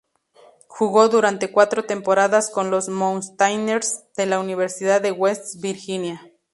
Jugó durante cuatro temporadas con los "Mountaineers" de la Universidad de West Virginia.